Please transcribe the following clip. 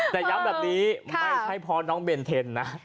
แต่ย้ำแบบนี้๓๐๐บาทไม่ใช่พอน้องเบนเทนนะ